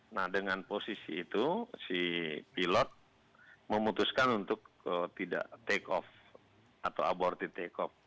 nah dengan posisi itu si pilot memutuskan untuk tidak take off atau aborty take off